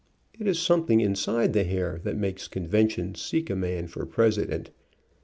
It is something inside the hair that makes conventions seek a man for President.